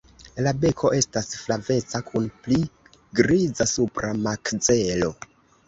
La beko estas flaveca kun pli griza supra makzelo.